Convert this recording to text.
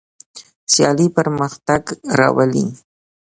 سیالي پرمختګ راولي.